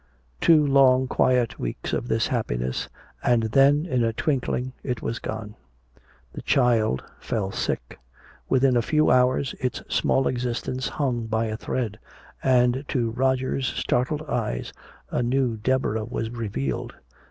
Two long quiet weeks of this happiness, and then in a twinkling it was gone. The child fell sick, within a few hours its small existence hung by a thread and to Roger's startled eyes a new Deborah was revealed!